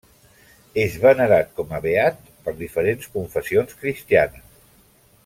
És venerat com a beat per diferents confessions cristianes.